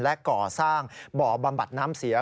และก่อสร้างบ่อบำบัดน้ำเสีย